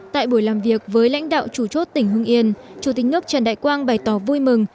tại buổi làm việc với lãnh đạo chủ chốt tỉnh hưng yên chủ tịch nước trần đại quang bày tỏ vui mừng